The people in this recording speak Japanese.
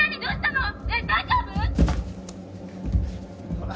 ほら。